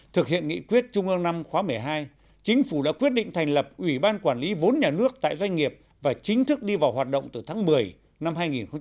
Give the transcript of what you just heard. thực hiện nghị quyết trung ương năm khóa một mươi hai chính phủ đã quyết định thành lập ủy ban quản lý vốn nhà nước tại doanh nghiệp và chính thức đi vào hoạt động từ tháng một mươi năm hai nghìn một mươi tám